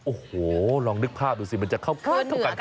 โอ้โหลองนึกภาพดูสิมันจะเข้าเท่ากันขนาดไหน